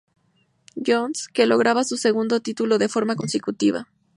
John's, que lograba su segundo título de forma consecutiva.